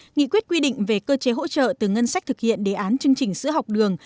nghị quyết quy định về cơ chế hỗ trợ từ ngân sách thực hiện đề án chương trình sữa học đường